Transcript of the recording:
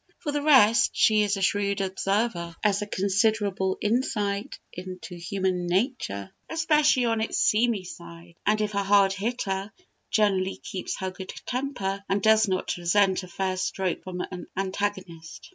For the rest, she is a shrewd observer; has a considerable insight into human nature, especially on its "seamy side"; and if a hard hitter, generally keeps her good temper, and does not resent a fair stroke from an antagonist.